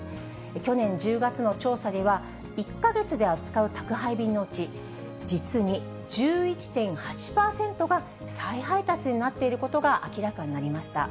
去年１０月の調査では、１か月で扱う宅配便のうち、実に１１．８％が再配達になっていることが明らかになりました。